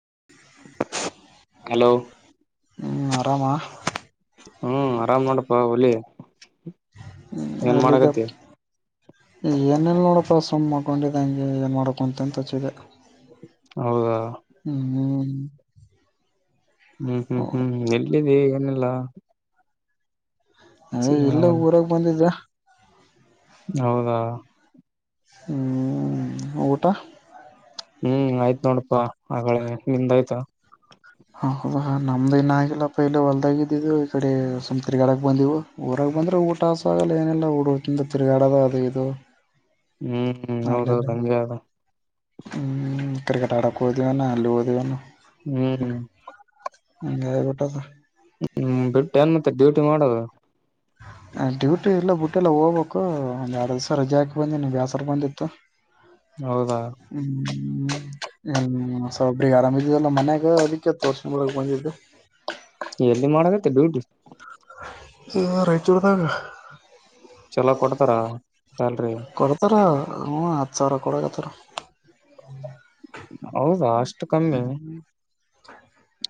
[unintelligible] Hello. ಹ್ಮ್ಹ್ ಆರಾಮ. ಹ್ಮ್ ಆರಾಮ್ ನೋಡಪ್ಪ ಹುಲಿ ಏನ್ ಮಾಡಕತಿ. ಏನ ಇಲ್ಲ ನೋಡಪ್ಪ ಸುಮ್ಮ್ ಮಕ್ಕೊಂಡಿದ್ದೆ ಹಂಗೆ ಏನ್ ಮಾಡಕುಂತ ಅಂತ ಹಚ್ಚಿದ್ದೆ. ಹೌದಾ. ಹ್ಮ ಹ್ಮ್ಮ್. ಹ್ಮ್ ಹ್ಮ್ ಹ್ಮ್ ಎಲ್ಲ್ಲಿದ್ದಿ ಏನ ಇಲ್ಲ. ಅದ ಇಲ್ಲ ಊರಾಗ ಬಂದಿದ. ಹೌದಾ. ಹ್ಮ್ ಊಟಾ. ಹ್ಮ್ ಆಯ್ತ ನೋಡಪ್ಪಾ ಅಗಳೆ ನಿಂದಾಯ್ತಾ. ಹ ಹೌದಾ ನಮ್ದ್ ಇನ್ ಆಗಿಲ್ಲಪ್ಪ ಇಲ್ಲ ಹೊಲ್ದಾಗ ಇದಿದ್ದಿದವು ಈ ಕಡೆ ಸುಮ್ ತಿರ್ಗಾಡಕ್ ಬಂದವು ಊ ಹೊರಗ ಬಂದ್ರೆ ಊಟ ಹಸು ಅಗಲ ಏನಿಲ್ಲ ಹುಡುಿಂದ ತಿರುಗಾಡದ ಅದ ಇದು. ಹ್ಮ್ ಅಲ್ಲೆಲ್ಲ ಹೌದೌದು ಹಂಗೆ ಅದ. ಹ್ಮ್ ಕ್ರಿಕೆಟ್ ಆಡಕ ಹೊಂದಿವಿ ಏನ ಅಲ್ಲಿ ಹೊಂದಿವಿ ಏನ. ಹ್ಮ್ ಹ್ಮ್. [unintelligible] ಊಟ ಅದ. ಹ್ಮ್ ಬಿಟ್ಟ ಏನ್ ಮತ್ತೆ ಡ್ಯೂಟಿ ಮಾಡೋದು. ಡ್ಯೂಟಿ ಇಲ್ಲ ಬಿುಟ್ಟೆ ಎಲ್ಲ ಹೋಗ್ಬೇಕು ಒಂದ್ ಎರಡು ದಿವ್ಸ ರಜೆ ಹಾಕಿ ಬಂದಿನಿ ಬ್ಯಾಸರ ಬಂದಿತ್ತು. ಹೌದಾ ಹ್ಮ [unintelligible] ಉಸಾಬರಿ ಆರಾಮ [unintelligible] ಇದೆಲ್ಲ ಮನೆಯಾಗ ಅದಕ್ಕೆ ತೋರಿಸ್ಕೊಂಡೆ ಬರಕ್ ಬಂದಿದ್ದೆ. ಎಲ್ಲಿ ಮಾಡಕತ್ತೆ ಡ್ಯೂಟಿ. ಹ ರಾಯಚೂರುದಾಗ. ಚಲೋ ಕೊಡ್ತಾರ ಸ್ಯಾಲರಿ. ಕೊಡ್ತಾರ ಹು ಹತ್ ಸಾವಿರ ಕೊಡಾಕತಾರ. ಹೌದಾ ಅಷ್ಟ ಕಮ್ಮಿ.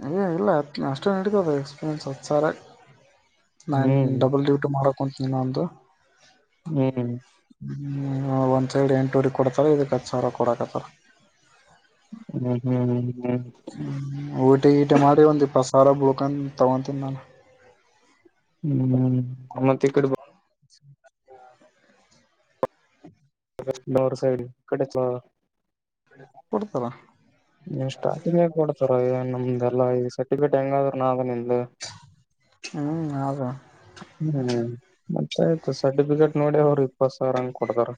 ಏ ಇಲ್ಲ ಅಷ್ಟ ನಡಿತದ ಎಕ್ಸ್ಪೀರಿಯೆನ್ಸ್ ಹತ್ ಸಾರಾಯ್ಗ. ನಾನ್ ಹ್ಮ್ ಡಬಲ್ ಡ್ಯೂಟಿ ಮಾಡಕ್ ಕುಂತೀನಿ ಇನ್ನ ಒಂದು. ಹ್ಮ್ ಹ್ಮ್ಮ್. ಹ್ಮ್ ಒಂದ್ ಸೈಡ್ ಎಂಟೂ ವಾರಿ ಕೊಡತಾರ ಇದಕ್ ಹತ್ತ ಸಾವಿರ ಕೊಡಕತ್ತಾರ. ಹ್ಮ್ ಹ್ಮ್ಹ್ಮ್ಮ್. ಹ್ಮ ಊಟಿ ಗಿಟಿ ಮಾಡಿ ಒಂದ ಇಪ್ಪತ್ತ ಸಾವಿರ ಬುಳ್ಕನ್ ತಗೊತೀನಿ ನಾನು. ಹ್ಮ್ ಮತ್ತ ಈ ಕಡೆ ಬ [inaudible] ಆಗಸ್ಟ್ ಲೋವರ್ ಸೈಡ್ ಈ ಕಡೆ ತೊಗವ [unintelligible] ಕೊಡ್ತಾರ ಎಷ್ಟ ಅಥಣಿ ಯಾಕ ನೋಡತರ ಏನ ನಮ್ದ. ಇಲ್ಲ ಇ ಸರ್ಟಿಫಿಕೇಟ್ ಹೆಂಗಾದ್ರರು ನ ಅದನ ಇಲ್ಲ ಲೊ. ಹ್ಮ್ ಹೌದ ಹ್ಮ್ ಮತ್ತ ಆಯ್ತತು ಸರ್ಟಿಫಿಕೇಟ್ ನೋಡಿ ಅವರು ಇಪ್ಪತ್ ಸಾವಿರ ಹಾಂಗ ಕೊಡತಾರ.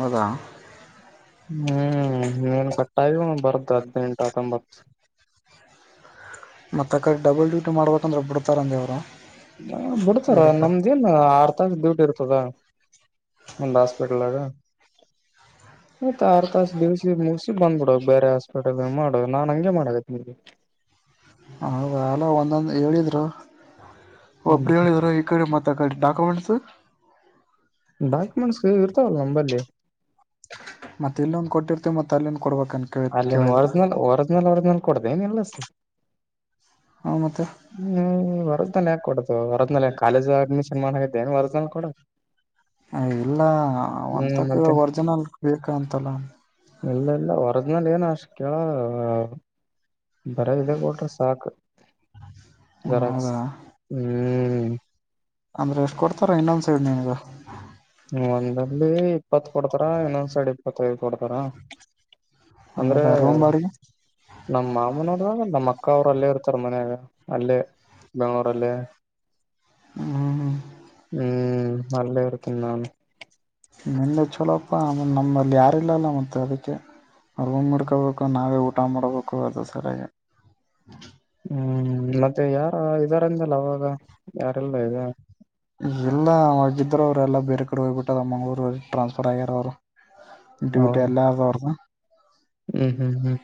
ಹದಾ ಹ್ಮ್ ನೀನ್ ಕಟ್ಟಾಯ ಬರದು ಹದ್ಿನೆಂಟು ಹತ್ತೊಂಬತ್ತು ಮತ್ತೆ ಅ ಕಡೆ ಡಬಲ್ ಡ್ಯೂಟಿ ಮಾಡ್ಬೇಕಂದ್ರೆ ಬಿಡ್ತಾರ ಅಂದವ್ರು ಹ ಬಿಡ್ತಾರ ನಮ್ದೇಏನ್ ಆರ್ ತಾರ ಡ್ಯೂಟಿ ಇರ್ತದ ಒಂದು ಹಾಸ್ಪಿಟಲ್ಗ [inaudible] ಆಯ್ತ್ ಆರ್ ತಾಸ ದಿವಸಿ ಮುಗಸಿ ಬಂದ್ಬಿಡೋ ಬೇರೆ ಹಾಸ್ಪಿಟಲ್ ಮಾಡ ನಾನ್ ಹಂಗೆ ಮಾಡ ನಿಮಗೆ ಹೌದ ಅಲ ಒಂದೊಂದು ಹೇಳಿದ್ರು ಒಬ ಹ್ಮ್ ಹೇಳಿದರು ಈ ಕಡೆ ಮಾತಾ ಕಡೆ ಡಾಕ್ಯುಮೆಂಟ್ಸ್ ಡಾಕ್ಯುಮೆಂಟ್ಸ್ ಇರ್ತಾವಲ್ಲ ನಂಬಲ್ಲಿ ಮತ್ತೆ ಎಲ್ಲ ಒಂದ ಕೊಟ್ಟಿರ್ತೇವಿ ಮತ್ತ ಕೊಡ್ಬೇಕಂತ ಕೇಳ ಅಲ್ಲಿನ್ ಕೇಳಿದ್ರ ಒರಿಜಿನಲ್ ಒರಿಜಿನಲ್ ಒರಿಜಿನಲ್ ಕೊಡ್ದ ಏನ್ ಇಲ್ಲ ಹಾ ಮತ್ತೆ ಹ್ಮ್ ವರದನಲ್ ಯಾಕ ಕೊಡದು ವರದ್ನಲ್ ಕಾಲೇಜ್ ಅಡ್ಮಿಷನ್ ಮಾಡೆೇಏನ್ ವರದ್ಲ್ ಕೊಡ ಇಲ್ಲ ಹ್ಮ್ ಒಂತಕ ಮತ್ತೆ ಒರ್ಜಿನಲ್ ಬೇಕ ಅಂತಲ್ಲ ಇಲ್ಲ ಇಲ್ಲ ವರ್ಜಿನಲ್ ಏನ ಅಷ್ಟ ಕೇಳ ಬರ ಇ ಕೊಟ್ರ ಸಾಕ್ು ಜರಾಕ್ ಹೌದಾ ಹ್ಮ್ ಅಂದ್ರೆ ಎಷ್ಟ್ ಕೊಡ್ತಾರ ಇನ್ನೊಂದ್ ಸೈಡ್ ನೀನಗ ಇಲ್ಲಿ ಇಪ್ಪತ್ ಕೊಡ್ತಾರಾ ಇನ್ನೊಂದ್ ಸೈಡ್ ಇಪ್ಪತ್ತೈದು ಕೊಡ್ತಾರ ರೂಮ್ ಬ್ಯಾಡಗಿ ನಮ್ಮ್ ಮಾಮನವರು ನಮ್ಮ್ ಅಕ್ಕ ಅವ್ರು ಅಲ್ಲೇ ಇರ್ತಾರ ಮನ್ಯಾಗ ಅಲ್ಲೇ ಬೆಂಗ್ಳೂರ ಅಲ್ಲೇ ಹ್ಮ್ ಹ್ಮ್ ಹ್ಮ್ ಹ್ಮ್ ನಲ್ಲ ಇಕ ನಾನ ನಿನ್ನೆ ಚಲಪ್ಪ ನಮ್ಮಲ್ಲಿ ಯಾರಿಲ್ಲಲ್ಲ ಮೆ ಅದಕ್ಕೆ ಅವೂ್ ಮಾಡಡ್ಕೋಬೇಕು ನಾವೇ ಊಟ ಮಾಡಬೇಕು ಅದು ಸರಿಯಾಗಿ ಹ್ಮ್ ಮತ್ತೆ ಯಾರ ಇದರಿಂದಲ್ಲ ಅವಾಗ ಯಾರೆಲ್ಲ ಇದೆ ಎಲ್ಲ ಆಾಗಿದ್ರ ಅವ್ರ ಎಲ್ಲ ಬೇರೆ ಕಡೆ ಹೋಗ್ಬಿಟ್ಟದ ಮಂಗಗಳೂರು ಟ್ರಾನ್ಸ್ಫರ್ ಆಗ್ಯಾರ ಅವ್ರು ಡ್ಯೂಟಿ ಹೌದು ಎಲ್ಲ ತೋರ್ಸ ಹ್ಮ್ ಹ್ಮ್ ಹ್ಮ್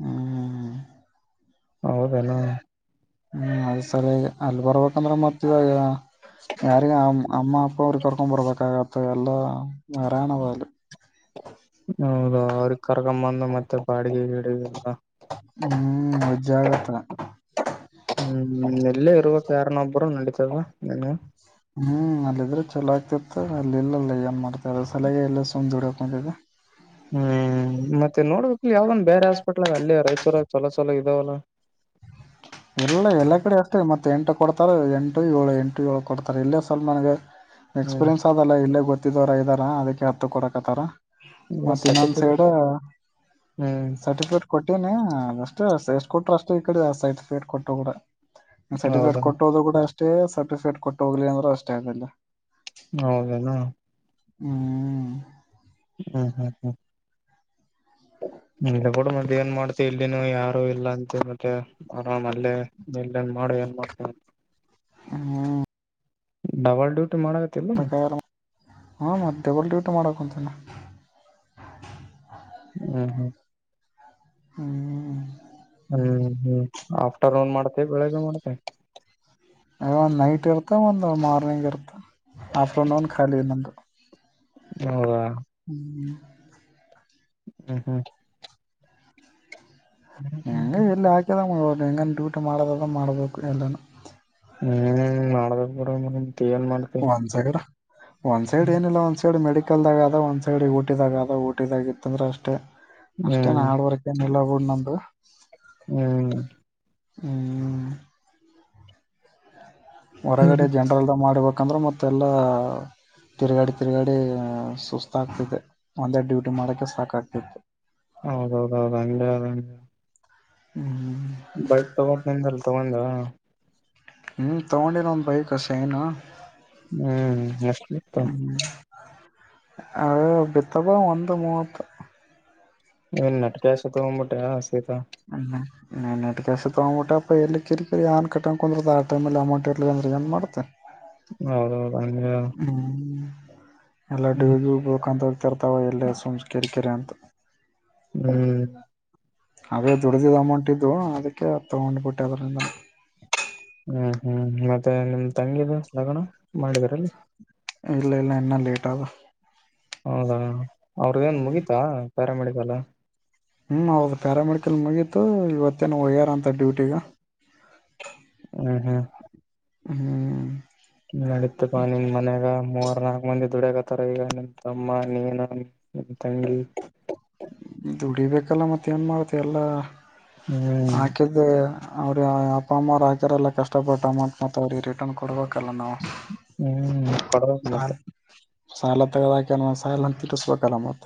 ಹ್ಮ್ ಹೌದನಾ ಹ್ಮ್ ಅದ ಸರಿಾಗಿ ಅಲ್ಲಿ ಬರ್ಬೇಕಂದ್ರೆ ಮತ್ತಾಗ ಯಾರಿಗ ಅಮ್ಮ ಅಪ್ಪ ಅವ್ರ ಕರ್ಕೊಂಡ್ ಬರ್ಬೇಕಾಗತ್ತೆ ಎಲ್ಲಾ ರಾಣವಲಿ ಹೌದ ಅವ್ರಿಗೆ ಕರ್ಕಂಬಂದ ಮತ್ತೆ ಬಾಡಿಗೆ ಗಿಡಲ್ಲ ಹ್ಮ್ ಮಜ್ಜಾಗತ್ತ ಹ್ಮ್ ಎೆಲ್ಲೇ ಇರುವ ಕಾರಣೊಬ್ಬರು ನಡೀತದ ನನ್ ಹ್ಮ್ ಅಲ್ಲಿದ್ರೆ ಚಲೋ ಆಗ್ತಿರ್ತ ಅಲ್ಲಿ ಇಲ್ಲಲ್ಲ ಏನ್ ಮಾಡ್ತಾರ ಸಲ ಎಲ್ಲ ಸುಂದ್ಡ ಹದಾ ಹ್ಮ್ ಮತ್ತೆ ನೋಡ್ಬೇಕಕ್ ಯಾವ್ದಂದ್ ಬೇರೆ ಹಾಸ್ಪಿಟ್ಲ್ ಆಗ ಅಲ್ಲೇ ರೈ ಚೋಲ ಚಲ ಚಲೋ ಅಲ ಎಲ್ಲ ಎಲ್ಲಾ ಕಡೆ ಮ ಮತ್ತೆ ಎಂಟು ಕೊಡ್ತಾರೆ ಎಂಟು ಏಳು ಎಂಟು ಏಳು ಕೊಡ್ತಾರೆ ಇಲ್ಲೇ ಸವಲ್ ನನಗೆ ಹ್ಮ್ ಎಕ್ಸ್ಪೀರಿಯೆನ್ಸ್ ಅದಲ್ಲ ಇಲ್ಲೇ ಗೊತ್ತಿದವರ ಇದಾರ ಅದಕ್ಕೆ ಹತ್ತು ಕೊಡಕ್ತ್ತಾರ ಇಲ್ಲ ಮತ್ತ ಇನ್ನೊಂದ್ ಸರ್ಟಿಫಿಕೇಟ್ ಸೈಡ್ ಹ್ಮ್ ಸರ್ಟಿಫಿಕೇಟ್ ಕೊಟ್ಟನಿ ಹ ಅದಷ್ಟ ಎಷ್ಟ ಕೊಟ್ರ ಅಷ್ಟ ಈ ಕಡೆ ಸರ್ಟಿಫಿಕೇಟ್ ಕೊಟ್ಟೋ ಕೂಡ ಸರ್ಟಿಫಿಕೇಟ್ ಹೌದ ಕೊಟ್ಟೋದು ಕೂಡ ಅಷ್ಟ ಅಷ್ಟೇ ಸರ್ಟಿಫಿಕೇಟ್ ಕೊಟ್ಟೋಗ್ಲಿ ಅಂದ್ರೂ ಅಷ್ಟೇ ಆಗಲ್ಲ ಹೌದದ ಹ್ಮ್ ಹ್ಮ್ ಹ್ಮ್ ಹ್ಮ್ ನೆ ಕೂಡ ಮದೆ ಏನ್ ಮಾಡ್ತ ಇಲ್ಲಿನು ಯಾರು ಇಲ್ಲ ಅಂತ ಮತ್ತೆ ಆರಾಮ ಅಲ್ಲೇ ಇಲ್ಲನ್ ಮಾಡು ಏನ್ ಮಾಡ್ತಾರೆ ಹ್ಮ ಡಬಲ್ಡೂರ್ ಹ ಮಧ್ಯೆ ಡ್ಯೂಟಿ ಮಾಡಕ ಕುಂತೀನ ಹ್ಮ ಹ್ಮ ಹ್ಮ್ ಹ್ಮ್ ಹ್ಮ್ ಆಫ್ಟರ್ನೂನ್ ಮಾಡ್ತೆೇವೆ ಬೆಳಗ್ ಮಾಡ್ತೆೇ ಅ ಒಂದು ನೈಟ್ ಇರ್ತ ಒಂದು ಮಾರ್ನಿಂಗ್ ಇರ್ತ ಆಫ್ಟರ್ನೂನ್ ಒನ್ ಖಾಲಿ ನಂದು ಹಾ ಹ್ಮ್ ಹ್ಮ್ ಹೆಂಗ ಎಲ್ಲಿ ಹಾಕ್ಯದ ಹೆಂಗ ಡಊಟ ಮಾಡದದ ಮಾಡ್ಬೇಕು ಎಲ್ಲಾನ ಹ್ಮ್ ಮಾಡಬೇಕ ಒಂದ್ ಸೈಡ್ ಒಂದ್ ಸೈಡ್ ಏನಿಲ್ಲ ಒಂದ್ ಸೈಡ್ ಮೆಡಿಕ ಲ್ದಾಗ ಅದ ಒಂದ್ ಸೈಡ್ ಊಟಿದಾಗದ ಊಟಿದಾಗತ್ತಂದ್ರೆ ಅಷ್ಟೇ ಅಷ್ಟೇ ಹ್ಮ್ ಹಾರ್ಡ್ ವರ್ಕ್ ನೆಲ ಒರ್ ನಂಬ ಹ್ಮ್ ಹ್ಮ್ ಹೊರಗಡೆ ಜನರಲ್ದ ಮಾಡ್ಬೇಕಂದ್ರೆ ಮತ್ತೆಲ್ಲ ತಿರ್ಗಾಡಿ ತಿರ್ಗಾಡಿ ಸುಸ್ತಾಗ್ತತೆ ಒಂದೇ ಡ್ಯೂಟಿ ಮಾಡಕ ಸಾಕಾಗ್ತಿತ್ತು ಹೌದೌದೌದು ಹ ಹ್ಮ್ ಹ್ಮ ಬೈಕ್ ತಗೋಂದಲ್ ತಗೊಂಡ ಹ್ಮ್ ತಗೊಂಡಿರ ಒಂದ ಬೈ ಕಸ ಏನು ಹ್ಮ್ ಎಷ್ಟತ್ತು ಅ ಬೆತಾವ ಒಂದಂದು ಮತ ಇ ನಟಕಸ ತಗೊಬಿಟ್ಟ ಹಯಾ ನ ನೆಟ್ ಕಸ್ ತಗೊಂಬಿಟ್ಟಪ್ಪ ಎಲ್ಲಿ ಕರಿರಿ ಏ ಕಟ್ಟೊಂಡಕಂದ್ರದು ಆ ಟೈಮಲ್ಲಿ ಅಮೌಂಟ್ ಇರಿಲ್ಲ ಅಂದೆ ಏನು ಮಾಡತೇನೆ ಹೌದೌದು ಅಂದ ಹ್ಮ್ ಎಲ್ಲ ಡಿ ಬಕಂತ ಹೋಗ್ತಿರ್ತಾವ ಎಲ್ಲೇ ಸುಮ ಕೆರಿಕರೆ ಅಂತ ಹ್ಮ್ ಅ ದುಡ್ದಿದ್ದ ಅಮೌಂಟ್ ಇದು ಅದಕ್ಕೆ ತಗೊಂಡ್ಬಿಟ್ಟೆ ಅದರಿಂದಾನ ಹ್ಮ್ ಹ್ಮ್ ಮತ್ತೆ ನಿಮ ತಂಗಿದು ಲಗಣ ಮಾಡಿದಾರಲ್ಲಿ ಟಬ್ ಹೌದಾ ಅವ್ರ ಏನ್ ಮುಗೀತಾ ಪ್ಯಾರಾಮೆಡಿಕಲ್ ಹ್ಮ್ ಹೌದು ಪ್ಯಾರಾಮೆಡಿಕಲ್ ಮುಗೀತು ಇವತ್ತೇನು ಹ್ಯಾರ ಅಂತ ಡ್ಯೂಟಿಗ ಹ್ಮ್ ಹ್ಮ್ ಹ್ಮ್ ನಡತ್ ನಿಮ್ ಮನ್ಯಾಗ ಮೂವರ್ನಾ ಮಂದಿ ದುಡಕತಾರ ಈಗ ನಿನ್ ತಮ್ಮ ನೀನ ನಿನ್ ತಂಗಿ ದುಡಿಬೇಕಲ್ಲ ಮತ್ತ ಏನು ಮಾಡತೆ ಎಲ್ಲ ಹ್ಮ್ ಹಾಕಿದ್ದ ಅವ್ರ ಅಪ್ಪ ಅಮ್ಮ ಅವ್ ಹಾಕ್ಯಾರಲ್ಲ ಕಷ್ಟ ಪಡ್ಟ್ಟ ಮ ಮ ಅವ್ರ ಕೊಡ್ಬೇಕಲ್ಲ ನಾವು ಹ್ಮ್ ಕೊಡ್ಬೇಕ್ ಹ ಮತ್ತೆ ಸಾಲ ತಗದಾಕಿ ಅಂದ್ ಸಾಲ ತಿರ್ಸ್ಬೇಕಲ್ಲ ಮತ್ತೆ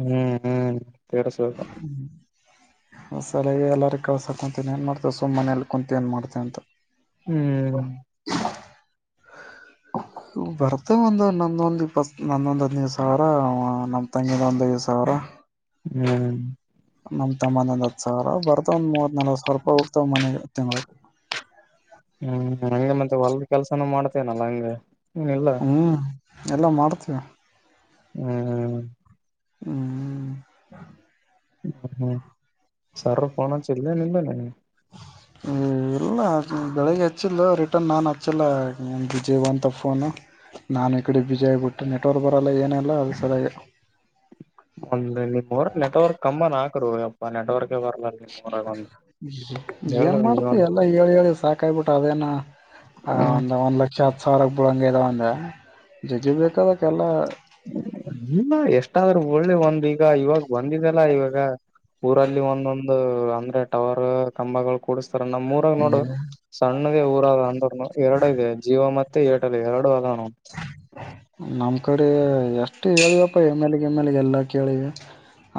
ಹ್ಮ್ ಹ್ಮ್ ತೇರ ಸ ಹ್ಮ ಹೊಸಲ ಎಲ್ಲಾರ ಕಳ್ಸಾ ಕುಂತೀನಿ ಏನ್ ಮಾಡ್ತವೆ ಸುಮ್ಮ್ ಮನಲಿ ಕುಂತ ಏನ್ ಮಾಡ್ತವಿ ಸಾಂತ ಹ್ಮ್ ಬರ್ತೇ ಒಂದ ನಂದೊಂದ್ ಇಪ್ಪತ್ ನಂದೊಂದ್ ಹದಿನೈದು ಸಾವಿರ ನಮ್ ತಂಗಿದ ಒಂದ ಐದು ಸಾವಿರ. ಹ್ಮ್ ನಮ ತಮ್ಮಂದ ಒಂದ ಹತ್ತು ಸಾವಿರ, ಬರ್ತಾವ ಒಂದ ಮೂವ್ತನಲ್ವತ ಸಾವಿರ ರೂಪಾಯಿ. ಹ್ ಬರ್ತವ ಮನೆಗೆ ತಿಂಳಿಗೆ. ಹ್ಮ್, ಹಂಗೆ ಮತ್ತೆ ಹೊಲ್ದ ಕೆಲ್ಸಾನೂ ಮಾಡ್ತೇನಲ್ಲ ಹಂಗಗೆ ಹ್ನ್ ಎಲ್ಲಾ. ಹ್ಮ್ ಎಲ್ಲ ಮಾಡ್ತೀವಿ. ಹ್ಮ್, ಹ್ಮ್,, ಹ್ಮ್ [inaudible] ಹ್ಮ್ ಸರ್ ಫೋನ ಅ [unintelligible] ಚಲ್ ನಿಲ್ಲ ನ ಇಲ್ಲ ಬೆಳಿಗ್ಗೆ ಹಚ್ಚಿದ್ಲ್ಲ ರಿಟರ್ನ್ ನಾನು ಹಚ್ಚಿಲ್ಲ ನಂದು ಬಿಜಿಬಂತಲ ಫೋನು. ನಾನು ಈ ಕಡೆ ಬಿಜಿ ಆಗ್ಬಿಟ್ಟು ನೆಟ್ವರ್ಕ್ ಬರೋಲ್ಲ ಏನಲ್ಲ ಅದುರಸಲಾಗೆ. ಒಂದ್ ನಿಮ್ಮೂರಗನೆಟ್ವರ್ಕ್ ಕಂಬನ ಹಾಕ್ರೋ ಅಪ್ಪ ನೆಟ್ವರ್ಕ ಬರ್ಲಲ್ಲ ನಿಮ್ಮೂರಗ. ಒಂದ ಏನ್ ಮಾಡ್ತಿ ಎಲ್ಲ ಹೇಳಿ- ಹೇಳಿ ಸಾಕಾಯಗಿಬಿಟ್ಟದ. ಅದೇನ ಆ ಹ್ಮ್ ಒಂದ್ ಒಂದ್ ಲಕ್ಷ ಹತ್ತು ಸಾವಿರ ಬಿಳಂಗ ಇದ ಒಂದ ಜಗ್ಗಿ ಬೇಕದಕ್ಕೆ ಎಲ್ಲ. ಇಲ್ಲಾ ಎಷ್ಟಾದ್ರೂ ಬಿಳ್ಳ್ಲಿ ಒಂದು ಈಗ ಇವಾಗ ಬಂದಿದವಲ್ಲ ಇವಾಗ ಊರಲ್ಲಿ ಒಂದೊಂದು. ಅಂದ ಟವರ್ ಕಂಬಗಳು ಕೂಡಿಸ್ತಾರ ನಮ್ಮ್ ಊರಾಗ ನೋಡು, ಸಣ್ಣದೇ ಊರಾದ ಅಂದ್ರನು ಎರಡು ಇದೆ ಜಯೊ ಮತ್ತೆ ಏರ್ಟ್ ಲ್ ಎರಡು ಅದಾವನೋಡ. ನಮ್ ಕಡೆ ಎಷ್ಟು ಹೇಳಿದವಪ್ಪ ಎಮ್ಮ್ಯಾಲಗೆ-ಗಿ ಎಮ್ಮ್ಯಾಲಗೆ ಎಲ್ಲಾ ಕೇಳಿವ.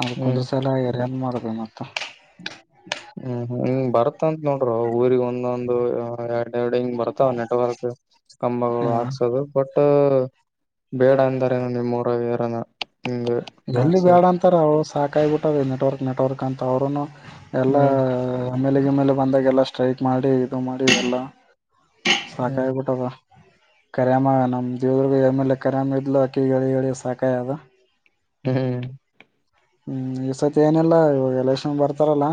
ಅದಕ್ಕೊಂದ್ರ ಸಲ ಎರಿನ್ ಮಾಡಬೇಕ ಮತ್ತ [unintelligible] ಹ್ಮ್ ಹ್ಮ್ [unintelligible] ಭಾರತ್ ಬರತಂತ ನೋಡ್ರೋ ಊರಿಗ್ ಒಂದೊಂದು ಎರಡ್, ಎರಡು ಹಿಂಗ್ ಬರ್ತಾವ ನೆಟ್ವರ್ಕ್ ಕಂಬಗಳು ಮತ್ತ ಹಾಕ್ ಬಟ್ ಬೇಡ ಅಂದಾರೇನು ನಿಮ್ಮೂರಗಯಾರನ. ಎಲ್ಲಿ ಬ್ಯಾಡ ಅಂತಾರ ಅವ ಸಾಕಾಯಬಿಟ್ಟಾದ ನೆಟ್ವರ್ಕ್- ನೆಟ್ವರ್ಕ್ ಅಂತ ಅವ್ರನು. ಹ್ಮ್ ಎಲ್ಲಾಎಮ್ಮೇಲ್ಲೆ -ಗಿಮ್ಮೇಲೆಗೆ ಬಂದಾಗ ಎಲ್ಲ ಸ್ಟ್ರೈಕ್ ಮಾಡಿ ಇದು ಮಾಡಿ ಇದೆಲ್ಲ ಹ್ಮ್ ಸಕಾಗಿಬಿಟ್ಟದ. ಕರ್ಯಮ್ಮನಮ ದೇವದುರ್ಗದ ಎಮ್, ಎಲ್, ಎ ಕರ್ಯಾಮ ಇದ್ಲುೂ ಅಕಿಗಿ ಹೇಳಿ - ಹೇ ಳಿಸಾಕಾಗದ. - ಹ್ಮ್,, ಹ್ಮ್, ಈಸತಿ ಏನಿಲ್ಲಾ ಇವಾಗ ಎಲೆಕ್ಷನ್ ಬರ್ತಾವಲ್ಲಾ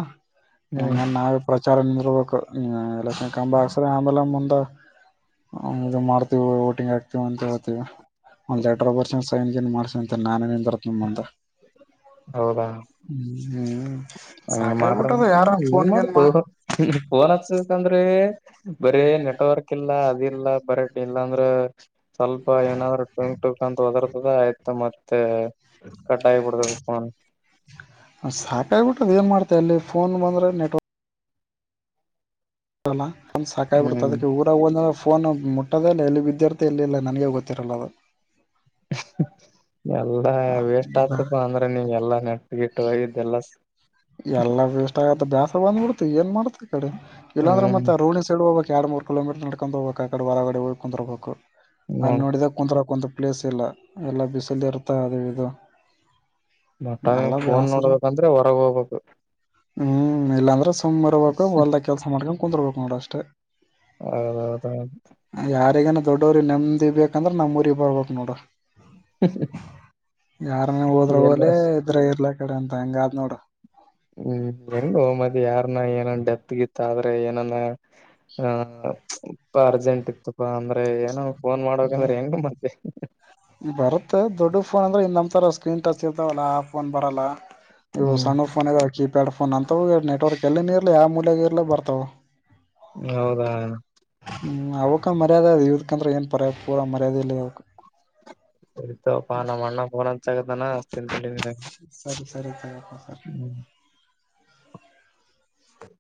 ಹ್ಮ್ ಹಂಗನ ನಾವೆ ವಿಚಾರ ನಿಿ [unintelligible] ರ್ಬೇಕು ಎಲೆಕ್ಷನ್ ಕ ಹಕ್ಸ್ರ ಆಮೇಲೆ ಮುಂದೆ ಹ ಇದು ಮಾಡ್ತೀವ ಓಟಿಂಗ್ ಆಗ್ತಿವ ಅಂತ ಹೇಳ್ತಿವಿ. ಒಂದ್ ಲೇಟರ್ ಬರ್ಷಿಸೈನ್ -ಗಿನ್ ಮಾಡ್ಸಂತ ನಾನ ನಿಂದ್ರತಿನಿಮುಂದ. ಹೌದಾ, ಹ್ಮ [inaudible] ಹಂಗ ಮಾಡ್ರಂತ ಎನ್ ಮಾಡ್ತು ಮಾಡ್ ಫೋನ್ [unintelligible] ಹಸಕಂದ್ರೆ ಬರ ನೆಟ್ವರ್ಕ್ ಇಲ್ಲ ಅದ ಇಲ್ಲ ಬರ ಇಲ್ಲಾಂದ್ರೆ, ಸ್ವಲ್ಪ ಏನಾದ್ರೂ ಟುಂಕ್ -ಟುಂಕ್ ಅಂತ ಹೋದರತ. ತದ ಆಯ್ತಾ ಮತ್ತೆ ಕಟಾಗಿ ಬಿಡ್ತದ.. [unintelligible] ಸಾಕಾಗಬಿಟ್ಟದ ಏನ್ ಮಾಡ್ತಿಅಲ್ಲಿ ಫೋನ್ ಬಂದ್ರೆ ನೆಟ್ವರ್ಕ್, ಒ ಸಾಕಾಗಿ ಹ್ಮ್ ಬಿಡತಅದಕ್ಕೆ ಊರಗ ಫೋನ್ ಮುಟ್ಟದಿಲ್ಲ ಎಲ್ಲಿ ಬಿದ್ದಿರ್ಥ ಎಲ್ಲಿ ಇಲ್ಲ ನನಗೆ ಗೊತ್ತಿರಲ್ಲ ಅದು. ಎಲ್ಲಾ ವೇಸ್ಟ್ ಬಾ, ಆಗ್ತಪ್ಪ ಅಂದ್ರೆ ನೀನ್ ಎಲ್ಲ ನೆ, ಗಿಟ್ಟ ಇದ್ದೆಲ್ಲ.. [inaudible] ಎಲ್ಲಾ ವೇಸ್ಟ್ ಆಗತ್ತ. ಬ್ಯಾಸರಬಂದ್ಬಿಡ್ತಏನ್ ಮಾಡ್ತಿ. ಈಡೆ ಇಲ್ಲಂದ್ರೆ ಹ್ಮ್ ಮತ್ತೆ ರೋಡಿನ ಸೈಡ್ ಹೋಗ್ಕ್ ಎರಡ್ ಮೂರ ಕಿಲೋಮೀಟರ್ ನಡ್ಕೊಂಡ್ ಹೋಗಬೇಕ. ಆ ಕಡೆ ಹೊರಗಡೆ ಕುಂದ್ರಬೇಕು. ನೋಡ ಅಲ್ಲಿ ನೋಡಿದ್ರ ಕುಂದ್ರಕ ಒಂದಪ್ಲೇಸ್ ಇಲ್ಲ. ಎಲ್ಲ ಬಿಸಲ್ ಇರ್ತ ಅದ ಇದು ಮತ್ತಂಗ ಎಲ್ಲ ಫೋನ್ ಬೇಸರ ನೋಡ್ಬೇಕಂದ್ರೆ ಹೊರಗೆ ಹೋಗ್ಬೇಕು. ಹ್ಮ್, ಇಲ್ಲಾಂದ್ರ ಸುಮ್ನಿರಬೇಕು ಹೊಲ್ದ ಕೆಲ್ಸ ಮಾಡ್ಕೊಂಡು ಕುತ್ರ್ಬೇಕು ನೋಡ ಅಷ್ಟೆ. ಯಾರಿಗೇನ [unintelligible] ದೊಡ್ಡವ್ರಿಗೆ ನೆಮ್ಮದಿ ಬೇಕಂದ್ರೆ ನಮ್ಮ ಊರಿಗೆ ಬರ್ಬೇಕ ನೋಡ. ಯಾರನ ಹೋದ್ರೆ ಎಲ್ಲ ಹೋಗ್ಲಿ ಇದ್ರ ಇರ್ಲಕ್ಕ. ಈಡೆ ಎಂಗ ಆದನೋಡ.. [unintelligible] ಹ್ಮ್, ಹೆಂಗೋ ಮರಾಯ ಯಾರನ ಏನ್ ಡೆತ್ತ್ಗಿತ್ತ ಆದ್ರೆ ಏನಾನ ಹ. [unintelligible] ಹಪ್ಪ ಅರ್ಜೆಂಟ್ ಇತಪಾ ಅಂದ್ರೆ ಏನೋ ಫೋನ್ ಮಾಡ್ಬೇಕಂದ್ರೆ ಹೆಂಗ ಮತ್ತ.. ಬರುತ್ತೆ ದೊಡ್ಡ ಫೋನ್ ಅಂದರೆ ಇ ನಮ್ಮ್ಥರ ಸ್ಕ್ರೀನ್ ಟಚ್ ಇರ್ತಾವಲ್ಲ ಆ ಫೋನ್ ಬರಲ್ಲ.. ಇವು ಹ್ಮ್ ಸಣ್ಣ ಫೋನ್ ಇದಾವ ಕೀಪ್ಯಾಡ್ ಫೋನ್ ಅಂತವು ನೆಟ್ವರ್ಕ್ ಎಲ್ಲಿನ ಇರ್ಾ ಯಾವ ಮೂಲ್ಯಾಗ ಇಲಾ ಬರ್ತಾವ.. ಹೌದಾ.. ಹ್ಮ್ ಅವಕ್ಕ ಮರ್ಯಾದೆ ಅ ಇದಕಂದ್ರೆ ಏನ್ ಪರ ಪೂರಾ ಮರ್ಯಾದೆ ಇಲ್ಲ ಅವಕ್.. ಇತ ಪ ನ ಅಣ್ಣ ಬರಂತಗದಾನ ಅತಿಂತ ನ.. ಸರಿ ಸರಿ ತ ಸರ್. [inaudible] ಹ.. [unintelligible]